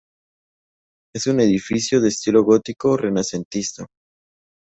Es un edificio de estilo gótico-renacentista.